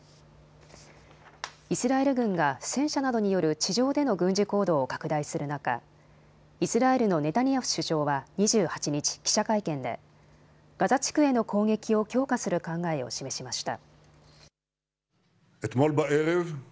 イスラエル軍が戦車などによる地上での軍事行動を拡大する中、イスラエルのネタニヤフ首相は２８日、記者会見でガザ地区への攻撃を強化する考えを示しました。